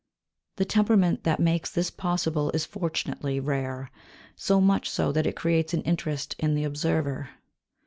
The temperament that makes this possible is fortunately rare, so much so that it creates an interest in the observer.